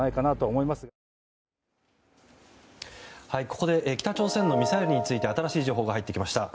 ここで北朝鮮のミサイルについて新しい情報が入ってきました。